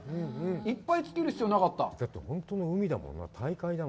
いっぱいつける必要なかった。